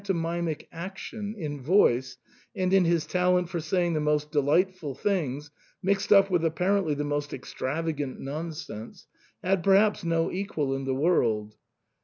mimic action, in voice, and in his talent for saying the most delightful things mixed up with apparently the most extravagant nonsense, had perhaps no equal in the world.